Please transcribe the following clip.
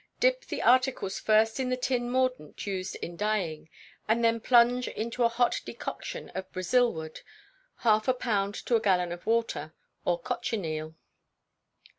Dip the articles first in the tin mordant used in dyeing, and then plunge into a hot decoction of Brazil wood half a pound to a gallon of water or cochineal.